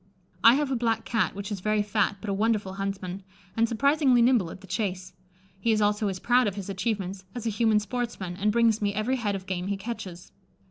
I have a black Cat, which is very fat, but a wonderful huntsman, and surprisingly nimble at the chase. He is also as proud of his achievements as a human sportsman, and brings me every head of game he catches.